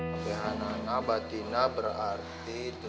apa yang anak abah tindak berarti